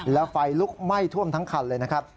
แล้วไฟลุกไหม้ท่วมทั้งคันเลยนะครับ